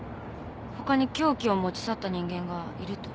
ほかに凶器を持ち去った人間がいると？